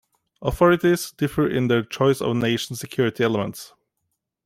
Authorities differ in their choice of nation security elements.